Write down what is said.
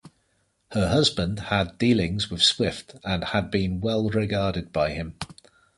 Her husband had dealings with Swift and had been well regarded by him.